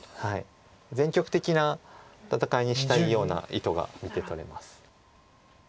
全局的な戦いにしたいような意図が見てとれます。